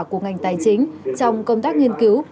của ngành tài chính trong công tác nghiên cứu